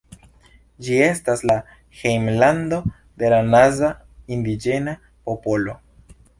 Ĝi estas la hejmlando de la Naza indiĝena popolo.